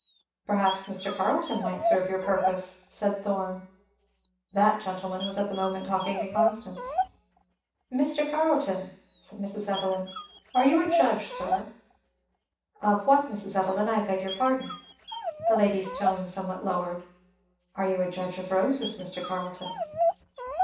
"Perhaps Mr. Carleton might serve your purpose," said Thorn. That gentleman was at the moment talking to Constance. "Mr. Carleton " said Mrs. Evelyn, "are you a judge, sir?" "Of what, Mrs. Evelyn? I beg your pardon." The lady's tone somewhat lowered. "Are you a judge of roses, Mr. Carleton?"